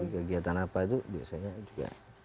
kegiatan apa itu biasanya juga